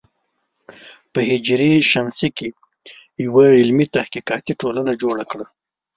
په ه ش کې یوه علمي تحقیقي ټولنه جوړه کړه.